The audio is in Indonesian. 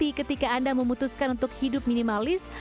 ini bukan berarti ketika anda memutuskan untuk hidup minimalis